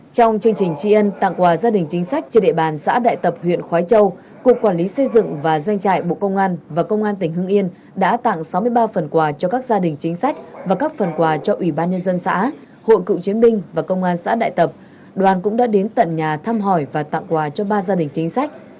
trong chương trình tri ân tặng quà gia đình chính sách trên địa bàn xã đại tập huyện khói châu cục quản lý xây dựng và doanh trại bộ công an và công an tỉnh hưng yên đã tặng sáu mươi ba phần quà cho các gia đình chính sách và các phần quà cho ủy ban nhân dân xã hội cựu chiến binh và công an xã đại tập đoàn cũng đã đến tận nhà thăm hỏi và tặng quà cho ba gia đình chính sách